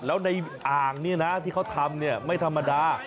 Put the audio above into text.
แล้วในอ่างนี่นะที่เขาทำเนี่ยไม่ธรรมดา